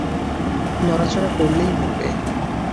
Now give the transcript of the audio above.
নড়াচড়া করলেই মরবে!